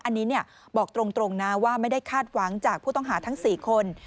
อันนี้บอกตรงนะว่าไม่ได้คาดหวังจากผู้ต้องหาทั้ง๔คน